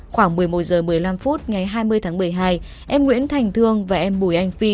khoảng một mươi một h một mươi năm phút ngày hai mươi tháng một mươi hai em nguyễn thành thương và em bùi anh phi